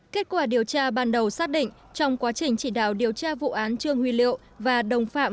kết quả điều tra ban đầu xác định trong quá trình chỉ đạo điều tra vụ án trương huy liệu và đồng phạm